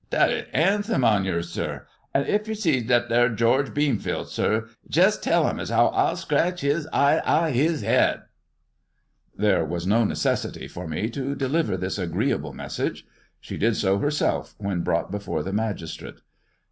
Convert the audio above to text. " Thet is 'ensome on yer, sir. An' if yer sees thet there George Beanfield, sir, jist tell 'im as 'ow I'll scretch 'is eyes out of 'is 'ed." There was no necessity for me to deliver this agreeable message. She did so herself when brought before the magistrate.